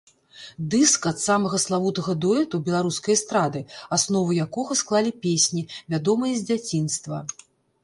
Дыск ад самага славутага дуэту беларускай эстрады, аснову якога склалі песні, вядомыя з дзяцінства.